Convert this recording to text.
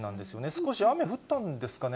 少し雨降ったんですかね。